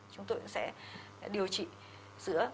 chúng tôi sẽ điều trị giữa